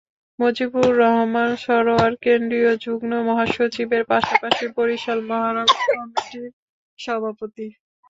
মজিবুর রহমান সরোয়ার কেন্দ্রীয় যুগ্ম মহাসচিবের পাশাপাশি বরিশাল মহানগর কমিটির সভাপতি।